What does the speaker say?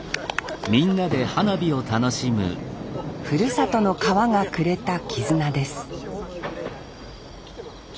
ふるさとの川がくれた絆です